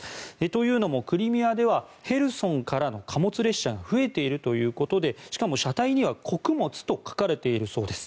というのも、クリミアではヘルソンからの貨物列車が増えているということでしかも車体には穀物と書かれているそうです。